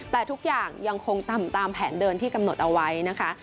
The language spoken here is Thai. แต่ทุกอย่างยังคงต่ำตามแผนเดินที่กำหนดเอาไว้นะคะ